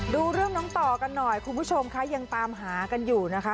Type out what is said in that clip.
ดูเรื่องน้องต่อกันหน่อยคุณผู้ชมค่ะยังตามหากันอยู่นะคะ